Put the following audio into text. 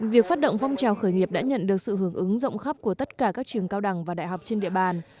việc phát động phong trào khởi nghiệp đã nhận được sự hưởng ứng rộng khắp của tất cả các trường cao đẳng và đại học trên địa bàn